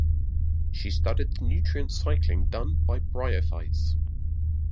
She studied the nutrient cycling done by bryophytes.